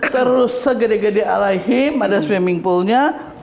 terus segede gede alaihim ada swimming poolnya